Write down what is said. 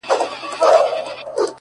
نن داخبره درلېږمه تاته;